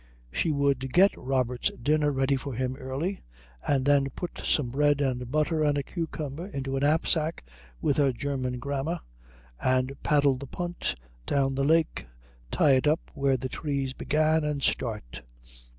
She would get Robert's dinner ready for him early, and then put some bread and butter and a cucumber into a knapsack with her German grammar, and paddle the punt down the lake, tie it up where the trees began, and start.